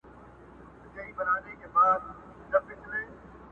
ډېر زلمي به ما غوندي په تمه سي زاړه ورته٫